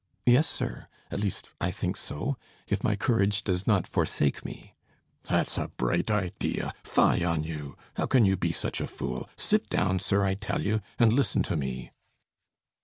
"Yes, sir; at least I think so, if my courage does not forsake me." "That's a bright idea! Fie on you! How can you be such a fool? Sit down, sir, I tell you, and listen to me."